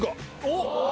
おっ！